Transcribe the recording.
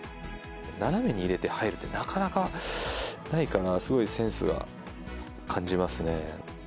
斜めに入れて入る、なかなかないから、すごいセンスが感じますね。